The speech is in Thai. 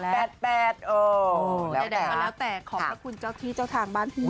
ใดก็แล้วแต่ขอบพระคุณเจ้าที่เจ้าทางบ้านพี่